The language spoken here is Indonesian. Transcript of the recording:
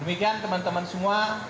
demikian teman teman semua